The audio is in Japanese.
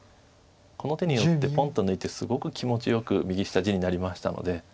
この手によってポンと抜いてすごく気持ちよく右下地になりましたので。